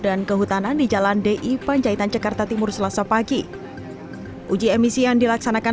dan kehutanan di jalan di panjaitan cekarta timur selasa pagi uji emisi yang dilaksanakan